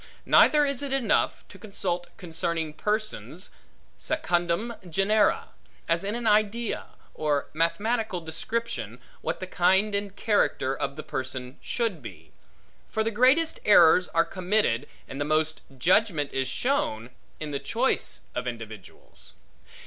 Neither is it enough, to consult concerning persons secundum genera, as in an idea, or mathematical description, what the kind and character of the person should be; for the greatest errors are committed, and the most judgment is shown, in the choice of individuals.